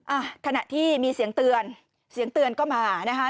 อ่ะขณะที่มีเสียงเตือนเสียงเตือนก็มานะคะ